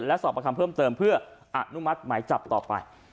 และสอบประคำเพิ่มเติมเพื่ออนุมัติหมายจับต่อไป